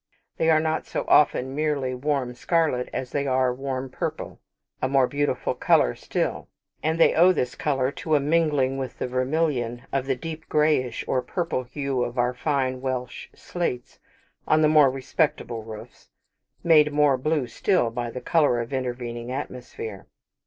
They are not so often merely warm scarlet as they are warm purple; a more beautiful colour still: and they owe this colour to a mingling with the vermilion of the deep grayish or purple hue of our fine Welsh slates on the more respectable roofs, made more blue still by the colour of intervening atmosphere.